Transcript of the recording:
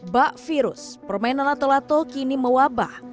bak virus permainan atolato kini mewabah